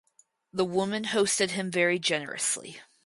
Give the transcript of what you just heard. The woman hosted him very generously.